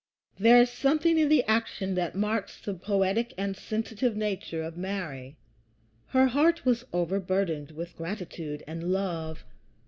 There is something in the action that marks the poetic and sensitive nature of Mary. Her heart was overburdened with gratitude and love.